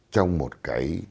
trong một cái